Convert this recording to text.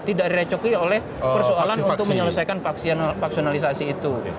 tidak direcoki oleh persoalan untuk menyelesaikan vaksinalisasi itu